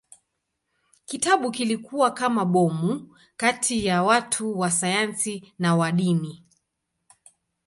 Kitabu kilikuwa kama bomu kati ya watu wa sayansi na wa dini.